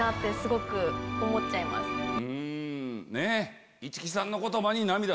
うんねぇ。